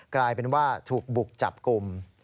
กลายเป็นว่าถูกบุกจับกลุ่ม